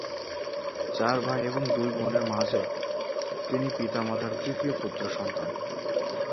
চার ভাই এবং দুই বোনের মাঝে তিনি পিতা-মাতার তৃতীয় পুত্র সন্তান।